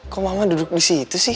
kok mama duduk di situ sih